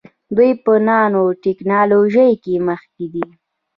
دوی په نانو ټیکنالوژۍ کې مخکې دي.